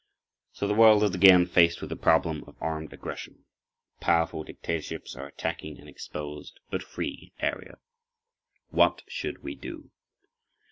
So the world is again faced with the problem of armed aggression. Powerful dictatorships are attacking an exposed, but free, area. What should we do?